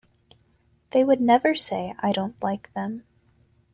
They would never say, 'I don't like them'.